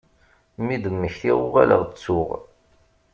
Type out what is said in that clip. Mi d-mmektiɣ uɣaleɣ ttuɣ.